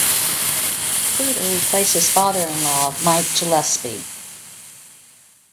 Kreuter replaced his father-in-law, Mike Gillespie.